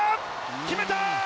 決めた！